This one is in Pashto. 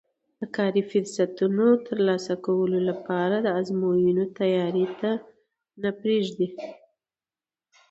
د کاري فرصتونو ترلاسه کولو لپاره د ازموینو تیاري ته نه پرېږدي